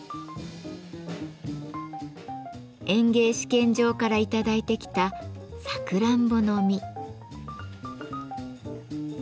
園芸試験場から頂いてきたサクランボの実。